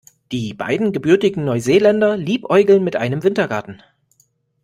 Die beiden gebürtigen Neuseeländer liebäugeln mit einem Wintergarten.